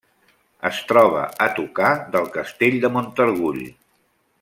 Es troba a tocar del Castell de Montargull.